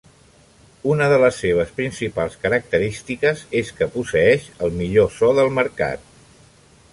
Una de les seves principals característiques és que posseeix el millor so del mercat.